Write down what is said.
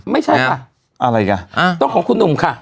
ไม่ใช่ค่ะต้องของคุณหนุ่มค่ะ